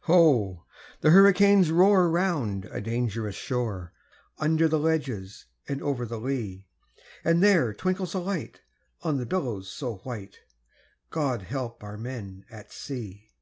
Ho! the hurricanes roar round a dangerous shore, Under the ledges and over the lea; And there twinkles a light on the billows so white God help our men at sea!